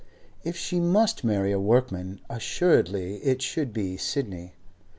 If she must marry a workman, assuredly it should be Sidney.